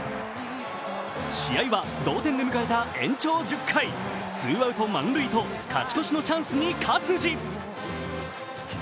試合は同点で迎えた延長１０回、ツーアウト満塁と勝ち越しのチャンスに勝児。